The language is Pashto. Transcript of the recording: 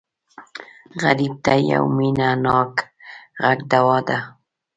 غریب ته یو مینهناک غږ دوا ده